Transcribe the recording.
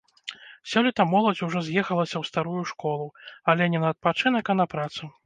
Сёлета моладзь ужо з'ехалася ў старую школу, але не на адпачынак, а на працу.